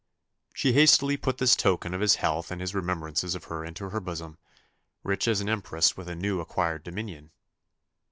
She hastily put this token of his health and his remembrance of her into her bosom, rich as an empress with a new acquired dominion.